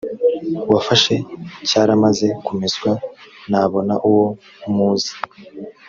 wafashe cyaramaze kumeswa nabona uwo muze